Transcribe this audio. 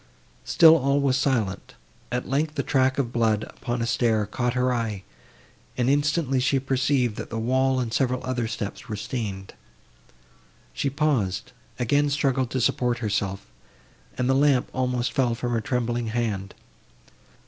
Still all was silent. At length a track of blood, upon a stair, caught her eye; and instantly she perceived, that the wall and several other steps were stained. She paused, again struggled to support herself, and the lamp almost fell from her trembling hand.